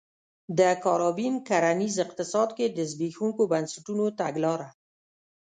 د کارابین کرنیز اقتصاد کې د زبېښونکو بنسټونو تګلاره